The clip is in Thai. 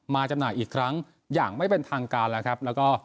มาจำหน่ายอีกครั้งอย่างไม่เป็นทางการแล้วก็